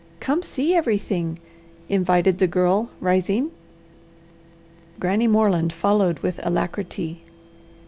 "Come see everything," invited the Girl, rising. Granny Moreland followed with alacrity.